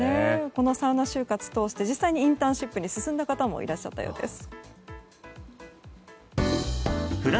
このサウナ就活をとおして実際にインターンシップに進んだ方もいたそうです。